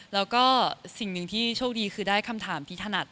แล้วก็สิ่งหนึ่งที่โชคดีคือได้คำถามที่ถนัด